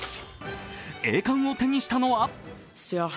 栄冠を手にしたのは？